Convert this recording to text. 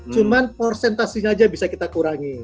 cuma persentasinya aja bisa kita kurangi